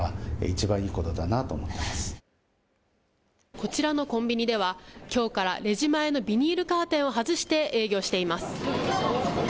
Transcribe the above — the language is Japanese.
こちらのコンビニでは、きょうからレジ前のビニールカーテンを外して営業しています。